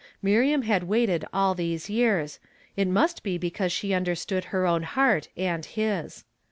Miriam had waited all these years; it must be because she undei stood her own heart and his.